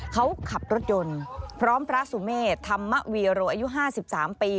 เขาขับรถยนต์พร้อมพระสุเมษธรรมวีโรอายุ๕๓ปี